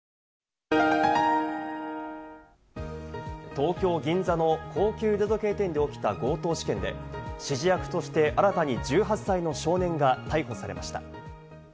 東京・銀座の高級時計店で起きた強盗事件で、指示役として新たに１８歳の少年が逮捕されました。